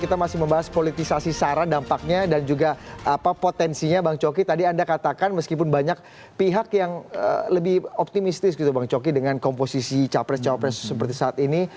kita masih membahas politisasi sarah dampaknya dan juga potensinya bang coki tadi anda katakan meskipun banyak pihak yang lebih optimistis gitu bang coki dengan komposisi capres capres seperti saat ini